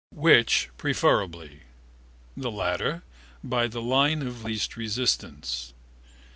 Which preferably? The latter, by the line of least resistance.